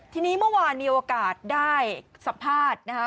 ทีนี้เมื่อวานมีโอกาสได้สัมภาษณ์นะคะ